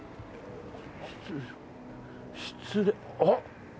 失礼あっ。